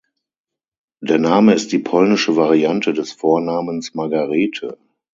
Der Name ist die polnische Variante des Vornamens Margarete.